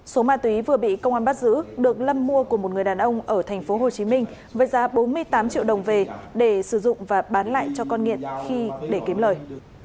số ma túy vừa bị công an bắt giữ được lâm mua của một người đàn ông ở thành phố hồ chí minh với giá bốn mươi tám triệu đồng về để sử dụng và bán lại cho con nghiện khi để kiếm lời